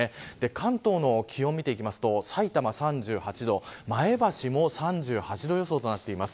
関東の気温を見ていきますと埼玉３８度前橋も３８度予想となっています。